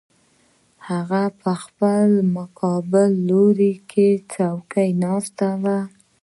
هغه پخپله په مقابل لوري څوکۍ کې ناست و